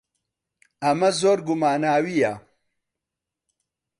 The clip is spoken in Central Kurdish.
ئەمە زۆر گوماناوییە.